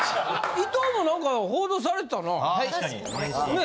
伊藤も何か報道されてたな。ねぇ？